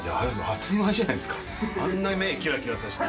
当たり前じゃないですか。